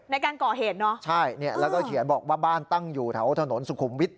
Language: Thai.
ในการก่อเหตุเนอะใช่เนี่ยแล้วก็เขียนบอกว่าบ้านตั้งอยู่แถวถนนสุขุมวิทย